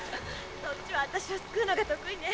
「そっちは私を救うのが得意ね。